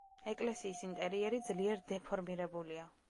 ეკლესიის ინტერიერი ძლიერ დეფორმირებულია.